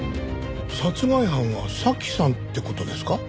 殺害犯は早紀さんって事ですか？